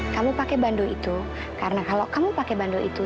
kamu pakai bando itu karena kalau kamu pakai bando itu